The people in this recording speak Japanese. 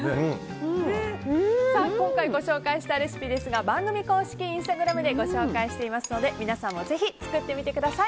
今回、ご紹介したレシピは番組公式インスタグラムでご紹介していますので皆さんもぜひ、作ってみてください。